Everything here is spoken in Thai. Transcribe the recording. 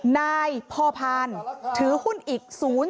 นายพอพานถือหุ้นอีก๐๔